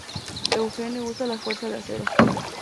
Eugene usa la Fuerza de Acero.